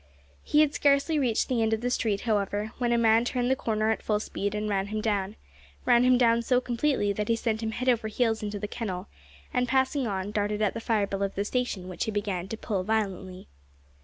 He had scarcely reached the end of the street, however, when a man turned the corner at full speed and ran him down ran him down so completely that he sent him head over heels into the kennel, and, passing on, darted at the fire bell of the station, which he began to pull violently.